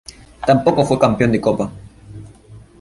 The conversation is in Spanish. Tampoco fue campeón de Copa.